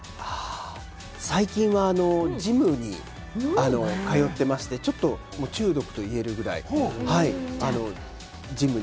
最近はジムに通っていまして、ちょっと中毒と言えるくらい、ジムに。